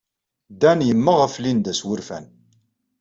Dan yemmeɣ ɣef Linda s wurfan.